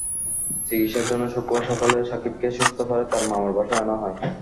চিকিৎসার জন্য শুক্রবার সকালে সাকিবকে সূত্রাপুরে তার মামার বাসায় আনা হয়।